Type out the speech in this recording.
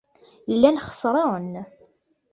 Llan xeṣṣren.